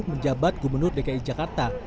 menjabat gubernur dki jakarta